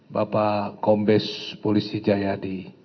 bapak kombes polisi jayadi